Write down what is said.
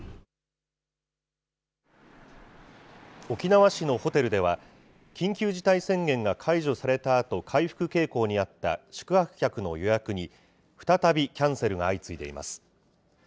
沖縄市のホテルでは、緊急事態宣言が解除されたあと、回復傾向にあった宿泊客の予約に、再びキャンセルが相次いでいます。